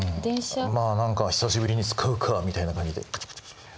まあ何か「久しぶりに使うか」みたいな感じでカチャカチャ。